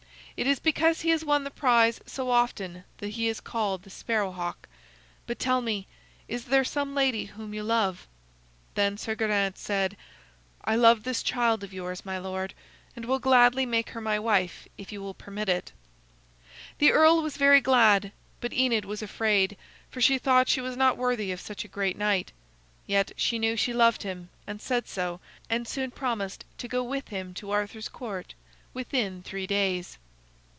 It is because he has won the prize so often that he is called the Sparrow hawk. But tell me, is there some lady whom you love?" Then Sir Geraint said: "I love this child of yours, my lord, and will gladly make her my wife if you will permit it." The earl was very glad, but Enid was afraid, for she thought she was not worthy of such a great knight. Yet, she knew she loved him, and said so, and soon promised to go with him to Arthur's Court within three days.